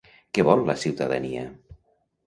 Què vol la ciutadania?